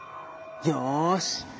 よし！